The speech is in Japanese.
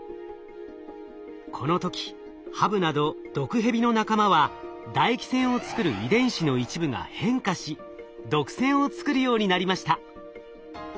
この時ハブなど毒ヘビの仲間は唾液腺を作る遺伝子の一部が変化し毒腺を作るようになりました。